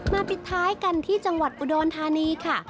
ปิดท้ายกันที่จังหวัดอุดรธานีค่ะ